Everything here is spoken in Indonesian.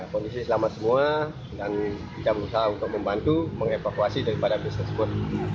kondisi selamat semua dan kita berusaha untuk membantu mengevakuasi daripada bus tersebut